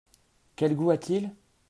Quel goût a-t-il ?